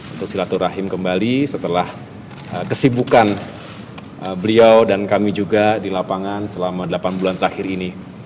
untuk silaturahim kembali setelah kesibukan beliau dan kami juga di lapangan selama delapan bulan terakhir ini